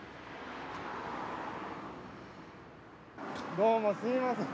どうもすいません。